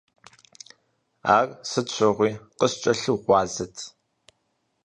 Ар сыт щыгъуи къыскӏэлъыгъуазэт.